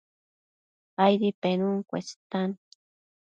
Aidi penun cuestan